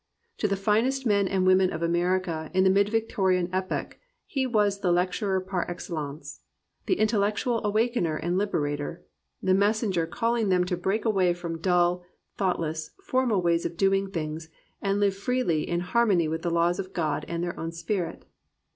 To the finest men and women of America in the mid Victorian epoch he was the lecturer par excellence, the intellectual awak ener and Uberator, the messenger calling them to break away from dull, thoughtless, formal ways of doing things, and Uve freely in harmony with the laws of God and their own spirit.